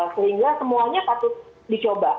sehingga semuanya patut dicoba